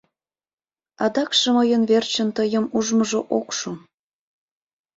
Адакше мыйын верчын тыйым ужмыжо ок шу...